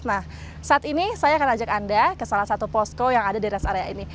nah saat ini saya akan ajak anda ke salah satu posko yang ada di rest area ini